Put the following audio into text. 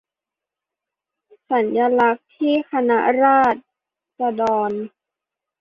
สัญลักษณ์ที่คณะราษฎร